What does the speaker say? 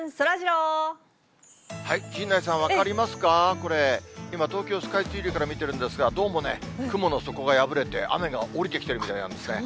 これ、今、東京スカイツリーから見てるんですが、どうもね、雲の底が破れて、雨が降りてきてるみたいなんですね。